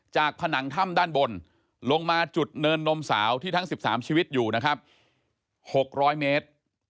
ผนังถ้ำด้านบนลงมาจุดเนินนมสาวที่ทั้ง๑๓ชีวิตอยู่นะครับ๖๐๐เมตร